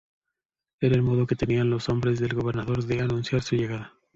Era el modo que tenían los hombres del gobernador de anunciar su llegada.